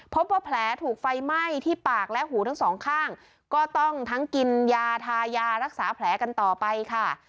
พบว่าแผลถูกไฟไหม้ที่ปากและหูทั้งสองข้างก็ต้องทั้งกินยาทายารักษาแผลกันต่อไปค่ะ